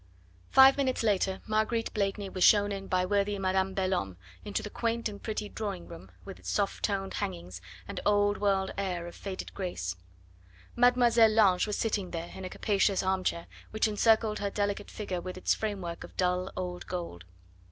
Five minutes later Marguerite Blakeney was shown in by worthy Madame Belhomme, into the quaint and pretty drawing room with its soft toned hangings and old world air of faded grace. Mademoiselle Lange was sitting there, in a capacious armchair, which encircled her delicate figure with its frame work of dull old gold.